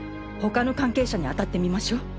他の関係者にあたってみましょ！